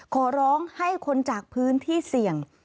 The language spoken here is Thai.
ขอร้องให้คนจากพื้นที่เสี่ยง